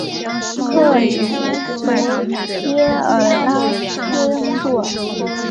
克吕维耶尔拉斯库尔。